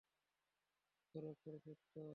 অক্ষরে অক্ষরে সত্য।